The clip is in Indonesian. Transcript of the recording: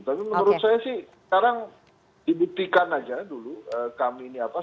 tapi menurut saya sih sekarang dibuktikan aja dulu kami ini apa